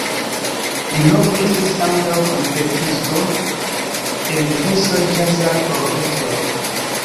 Li longe estis ankaŭ trumpetisto en diversaj ĵazaj orkestroj.